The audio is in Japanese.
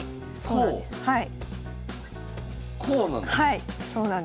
はい！